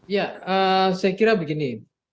ya saya kira begini